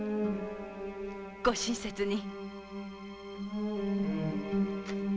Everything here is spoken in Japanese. ご親切に。